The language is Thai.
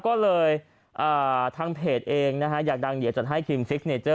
ก็เลยทางเพจเองนะฮะอยากดังเดี๋ยวจัดให้ครีมซิกเนเจอร์